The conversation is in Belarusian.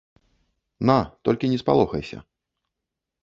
На, толькі не спалохайся.